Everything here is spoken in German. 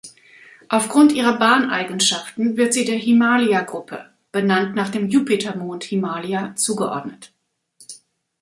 Aufgrund ihrer Bahneigenschaften wird sie der Himalia-Gruppe, benannt nach dem Jupitermond Himalia, zugeordnet.